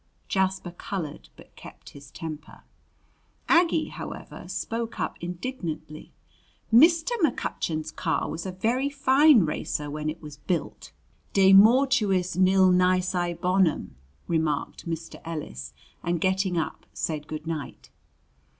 Jasper colored, but kept his temper. Aggie, however, spoke up indignantly. "Mr. McCutcheon's car was a very fine racer when it was built." "De mortuis nil nisi bonum," remarked Mr. Ellis, and getting up said good night.